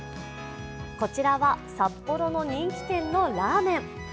こちらは札幌の人気店のラーメン。